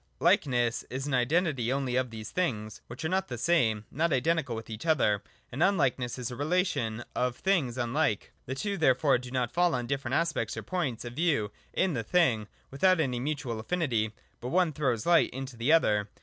118.] Likeness is an Identity only of those things which are not the same, not identical with each other : and UnlilserLess is a relation of things unlike. The two therefore do not fall on different aspects or points of view in the thing, without any mutual affinity : but one throws light into the other.